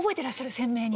鮮明に。